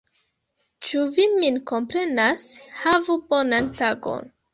Ĉu vi min komprenas? Havu bonan tagon!